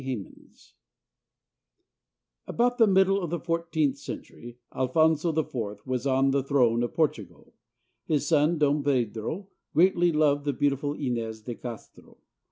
HEMANS [About the middle of the fourteenth century, Alfonso IV was on the throne of Portugal. His son, Dom Pedro, greatly loved the beautiful Inez de Castro.